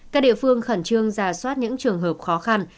các địa phương khẩn trương ra soát những trường hợp khó khăn